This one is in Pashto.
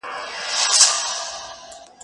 زه به سبا مينه څرګنده کړم!